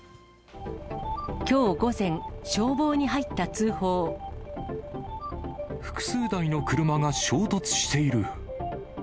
きょう午前、消防に入った通複数台の車が衝突している。